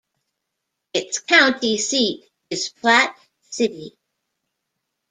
Its county seat is Platte City.